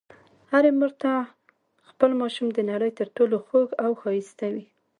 هرې مور ته خپل ماشوم د نړۍ تر ټولو خوږ او ښایسته وي.